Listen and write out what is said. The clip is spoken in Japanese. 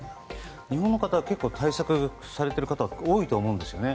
日本の方は結構、対策されてる方は多いと思うんですよね。